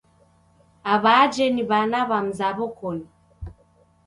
Aw'ajhe ni w'ana w'a mzaw'o koni